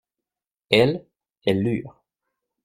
Elles, elles lurent.